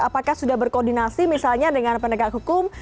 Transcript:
apakah sudah berkoordinasi misalnya dengan penegak hukum